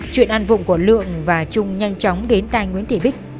chuyện ăn vụng của lượng và chung nhanh chóng đến tay nguyễn thị bích